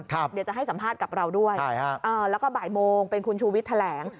เดี๋ยวจะให้สัมภาษณ์กับเราด้วยแล้วก็บ่ายโมงเป็นคุณชูวิทย์แถลง